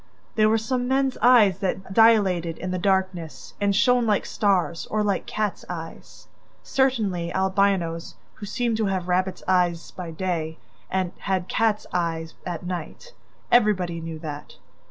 There were some men's eyes that dilated in the darkness and shone like stars or like cats' eyes. Certainly Albinos, who seemed to have rabbits' eyes by day, had cats' eyes at night: everybody knew that!